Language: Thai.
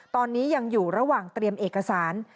ตอนนี้ยังอยู่ระหว่างเตรียมเอกสาร